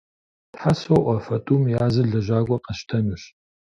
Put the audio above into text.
Тхьэ соӏуэ, фэ тӏум я зыр лэжьакӏуэ къэсщтэнущ.